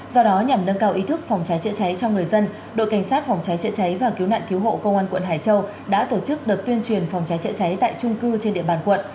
do đó nhằm nâng cao ý thức phòng cháy chữa cháy cho người dân đội cảnh sát phòng cháy chữa cháy và cứu nạn cứu hộ công an quận hải châu đã tổ chức đợt tuyên truyền phòng cháy chữa cháy tại trung cư trên địa bàn quận